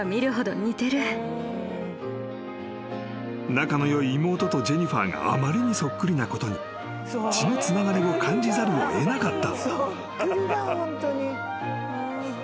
［仲の良い妹とジェニファーがあまりにそっくりなことに血のつながりを感じざるを得なかった］